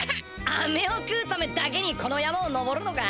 アメを食うためだけにこの山を登るのか？